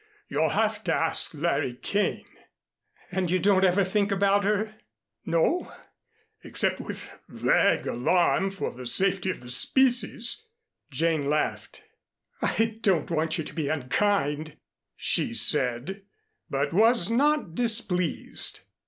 You'll have to ask Larry Kane." "And you don't ever think about her?" "No except with vague alarm for the safety of the species." Jane laughed. "I don't want you to be unkind," she said, but was not displeased.